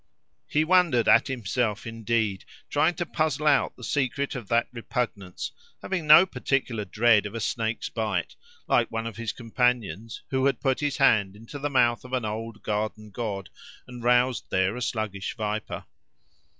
He wondered at himself indeed, trying to puzzle out the secret of that repugnance, having no particular dread of a snake's bite, like one of his companions, who had put his hand into the mouth of an old garden god and roused there a sluggish viper.